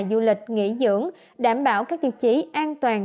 du lịch nghỉ dưỡng đảm bảo các tiêu chí an toàn